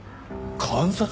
監察？